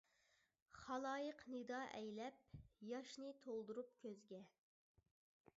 خالايىق نىدا ئەيلەپ، ياشنى تولدۇرۇپ كۆزگە.